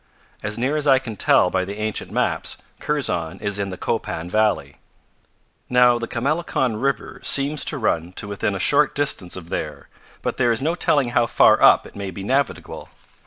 As near as I can tell by the ancient maps, Kurzon is in the Copan valley. "Now the Chamelecon river seems to run to within a short distance of there, but there is no telling how far up it may be navigable.